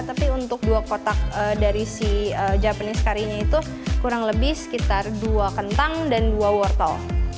tapi untuk dua kotak dari si japanese curry nya itu kurang lebih sekitar dua kentang dan dua wortel